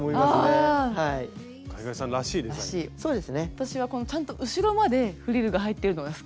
私はこのちゃんと後ろまでフリルが入ってるのが好きです。